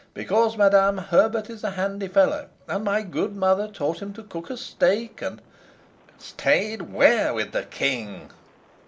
Because, madam, Herbert is a handy fellow, and my good mother taught him to cook a steak and " "Stayed where with the king?"